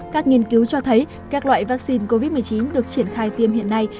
các nghiên cứu cho thấy các loại vaccine covid một mươi chín được triển khai tiêm hiện nay